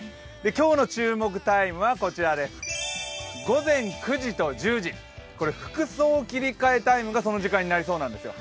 今日の注目タイムは午前９時と１０時、服装切り替えタイムがここになりそうなんですよ